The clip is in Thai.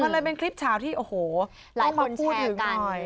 มันเลยเป็นคลิปเช้าที่โอ้โฮต้องมาพูดถึงหน่อย